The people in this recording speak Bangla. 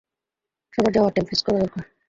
সবার যাওয়ার টাইম, ফিক্স করা দরকার।